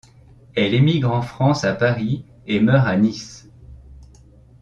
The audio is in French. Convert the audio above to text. Elle émigre en France à Paris et meurt à Nice.